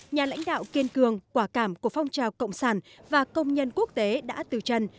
nhà lãnh đạo kiên cường quả cảm của phong trào cộng sản và công nhân quốc tế đã từ chân